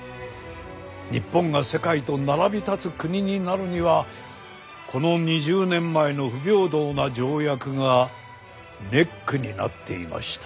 日本が世界と並び立つ国になるにはこの２０年前の不平等な条約がネックになっていました。